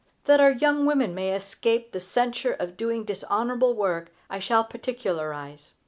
That our young women may escape the censure of doing dishonorable work, I shall particularize.